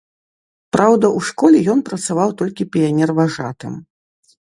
Праўда, у школе ён працаваў толькі піянерважатым.